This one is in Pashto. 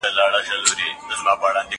زه به د سبا لپاره د درسونو يادونه کړې وي!؟